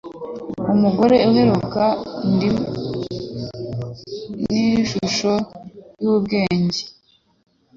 Umugore uheruka ndimo ni Ishusho y'Ubwigenge.